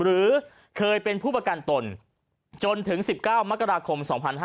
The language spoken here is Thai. หรือเคยเป็นผู้ประกันตนจนถึง๑๙มกราคม๒๕๕๙